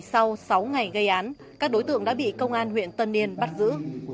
sau sáu ngày gây án các đối tượng đã bị công an huyện tân yên bắt giữ